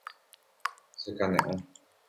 Chekane'õ.